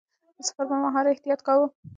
د سفر پر مهال احتياط کاوه.